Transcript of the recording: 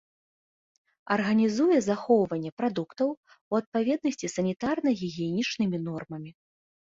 Арганізуе захоўванне прадуктаў у адпаведнасці з санітарна-гігіенічнымі нормамі.